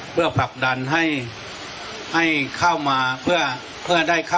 เพื่อผลักดันให้เข้ามาเพื่อได้ค่า